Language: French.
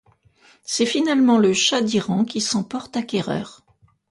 C'est finalement le Shah d'Iran qui s'en porte acquéreur.